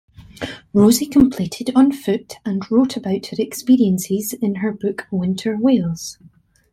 Rosie completed on foot and wrote about her experiences in her book "Winter Wales".